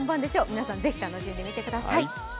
皆さん、ぜひ楽しんでみてください